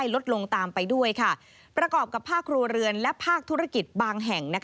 ลดลงตามไปด้วยประกอบกับภาคครัวเรือนและภาคธุรกิจบางแห่ง